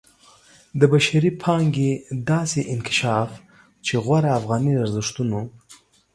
د بشري پانګې داسې انکشاف چې غوره افغاني ارزښتونو